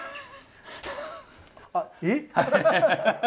あっえっ